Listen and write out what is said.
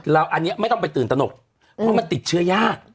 อันนี้ไม่ต้องไปตื่นตนกเพราะมันติดเชื้อยาก